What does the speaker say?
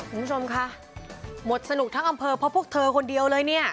คุณผู้ชมคะหมดสนุกทั้งอำเภอเพราะพวกเธอคนเดียวเลยเนี่ย